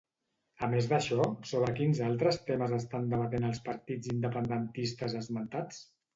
A més d'això, sobre quins altres temes estan debatent els partits independentistes esmentats?